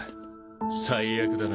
最悪だな。